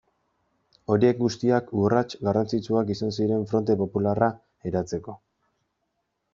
Horiek guztiak urrats garrantzitsuak izan ziren Fronte Popularra eratzeko.